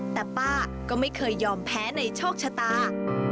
แต่ป้าก็ไม่เคยยอมแพ้ในโชคชะตา